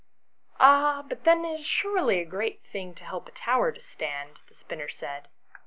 " Ah ! but then it is surely a great thing to help a tower to stand," the spinner said.